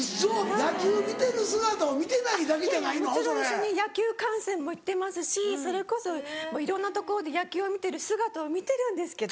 一緒に野球観戦も行ってますしそれこそもういろんなところで野球を見てる姿を見てるんですけど。